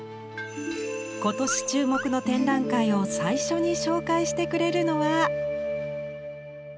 今年注目の展覧会を最初に紹介してくれるのは。